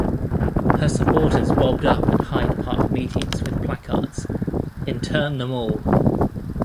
Her supporters bobbed up at Hyde Park meetings with placards: "Intern Them All".